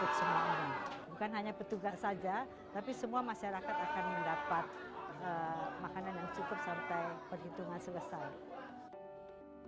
bukan hanya petugas saja tapi semua masyarakat akan mendapat makanan yang cukup sampai perhitungan selesai